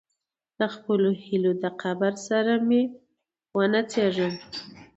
د خپلو هیلو د قبر سره مې ونڅیږم.